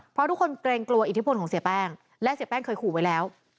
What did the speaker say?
เพราะทุกคนเกรงกลัวอิทธิพลของเสียแป้งและเสียแป้งเคยขู่ไว้แล้ว